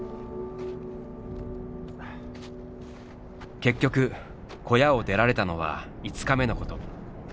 結局小屋を出られたのは５日目のこと。